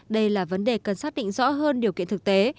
đây là vấn đề cần xác định rõ hơn điều kiện thực tế